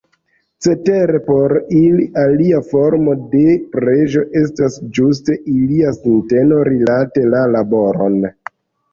Cetere por ili alia formo de preĝo estas ĝuste ilia sinteno rilate la laboron.